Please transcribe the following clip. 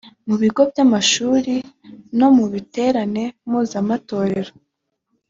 mu bigo by’amashuri no mu biterane mpuzamatorero